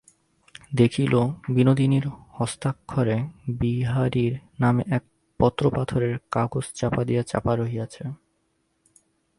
দেখিল, বিনোদিনীর হস্তাক্ষরে বিহারীর নামে এক পত্র পাথরের কাগজচাপা দিয়া চাপা রহিয়াছে।